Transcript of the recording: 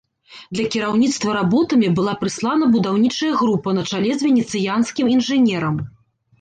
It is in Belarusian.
Для кіраўніцтва работамі была прыслана будаўнічая група на чале з венецыянскім інжынерам.